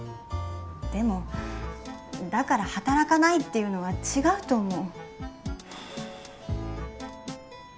でもだから働かないっていうのは違うと思う。